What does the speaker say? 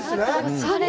おしゃれ。